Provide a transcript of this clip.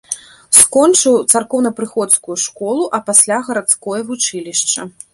Скончыў царкоўнапрыходскую школу, а пасля гарадское вучылішча.